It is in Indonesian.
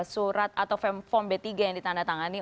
surat atau form b tiga yang ditandatangani